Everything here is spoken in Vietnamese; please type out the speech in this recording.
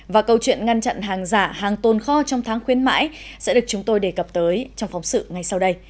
và câu chuyện ngăn chặn hàng giả hàng tồn kho trong tháng khuyến mãi sẽ được chúng tôi đề cập tới trong phóng sự ngay sau đây